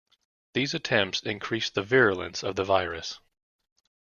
These attempts increased the virulence of the virus.